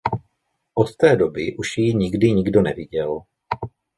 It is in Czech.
Od té doby už ji nikdy nikdo neviděl.